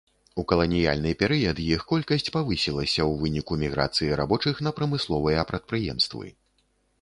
У каланіяльны перыяд іх колькасць павысілася ў выніку міграцыі рабочых на прамысловыя прадпрыемствы.